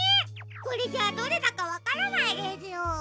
これじゃあどれだかわからないですよ。